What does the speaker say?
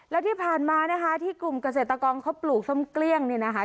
แล้วที่ผ่านมานะคะที่กลุ่มเกษตรกรเขาปลูกส้มเกลี้ยงเนี่ยนะคะ